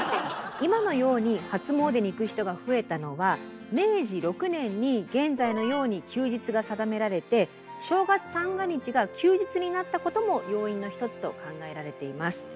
今のように初詣に行く人が増えたのは明治６年に現在のように休日が定められて正月三が日が休日になったことも要因の一つと考えられています。